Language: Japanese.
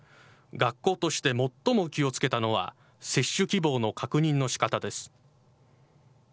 学校として最も気をつけたのは、接種希望の確認のしかたです。